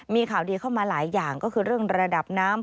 มีข่าวดีเข้ามาหลายอย่างก็คือเรื่องระดับน้ำ